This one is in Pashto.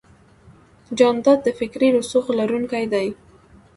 جانداد د فکري رسوخ لرونکی دی.